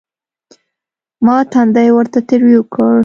ما تندى ورته تريو کړ.